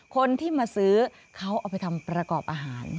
คนที่มาซื้อเขาเอาไปทำประกอบอาหาร